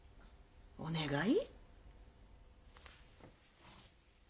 お願い？